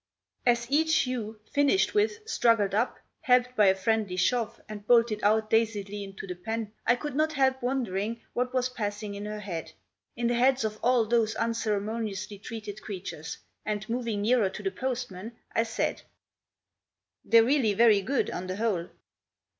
As each ewe, finished with, struggled up, helped by a friendly shove, and bolted out dazedly into the pen, I could not help wondering what was passing in her head—in the heads of all those unceremoniously treated creatures; and, moving nearer to the postman, I said: "They're really very good, on the whole."